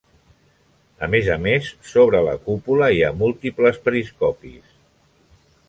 A més a més, sobre la cúpula hi ha múltiples periscopis.